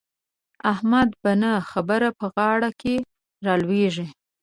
احمد په نه خبره په غاړه کې را لوېږي.